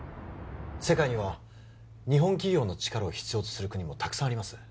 世界には日本企業の力を必要とする国もたくさんあります